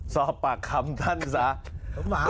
ซอบปากคำท่านงราฬ